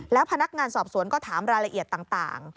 แล้วพนักงานสอบสวนก็ถามรายละเอียดต่าง